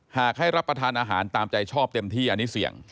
หากให้รับประทานอาหารตามใจชอบเต็มที่อันนี้เสี่ยง